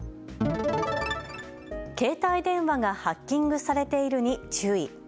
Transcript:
携帯電話がハッキングされているに注意。